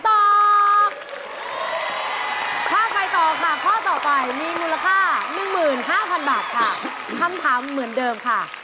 ถ้าไปต่อค่ะข้อต่อไปมีมูลค่า๑๕๐๐๐บาทค่ะคำถามเหมือนเดิมค่ะ